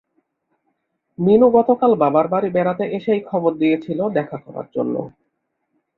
মিনু গতকাল বাবার বাড়ি বেড়াতে এসেই খবর দিয়েছিল দেখা করার জন্য।